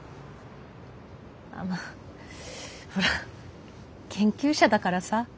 あまあほら研究者だからさ。